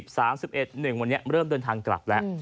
ตั้งแต่คืน๒๙๓๐๓๐๓๑๐๑วันนี้เริ่มเดินทางกลับแล้ว